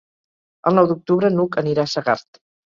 El nou d'octubre n'Hug anirà a Segart.